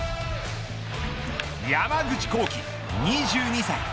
山口航輝、２２歳。